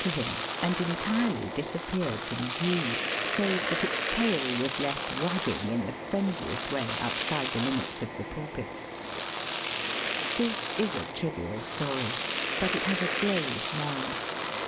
to him and entirely disappeared from view^ save that its tail was left wagging in the friendliest way outside the limits of the pulpit This is a trivial story, but it has a grave moral.